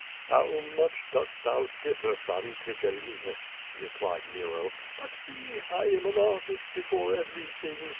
'' How much dost thou differ from Tigellinus," replied Nero, but see, I am an artist before everything.